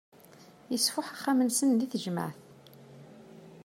Isfuḥ axxam-nsen di tejmaεt.